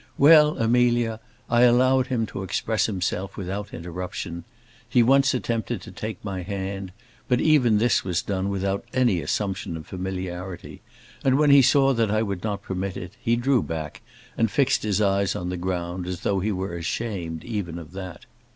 Well, Amelia, I allowed him to express himself without interruption. He once attempted to take my hand; but even this was done without any assumption of familiarity; and when he saw that I would not permit it, he drew back, and fixed his eyes on the ground as though he were ashamed even of that.